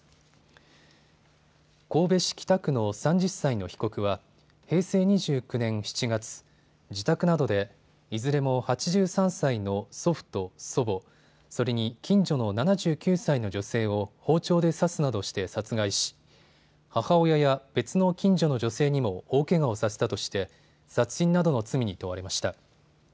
神戸市北区の３０歳の被告は平成２９年７月、自宅などでいずれも８３歳の祖父と祖母、それに近所の７９歳の女性を包丁で刺すなどして殺害し母親や別の近所の女性にも大けがをさせたとして殺人などの罪に問われました。